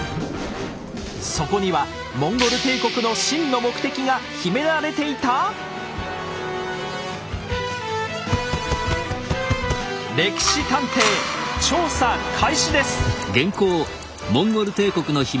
そこにはモンゴル帝国の真の目的が秘められていた⁉「歴史探偵」調査開始です。